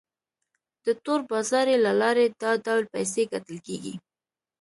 د تور بازارۍ له لارې دا ډول پیسې ګټل کیږي.